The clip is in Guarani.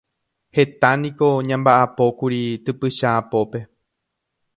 Heta niko ñambaʼapókuri typycha apópe.